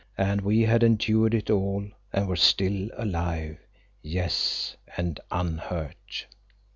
And we had endured it all and were still alive; yes, and unhurt.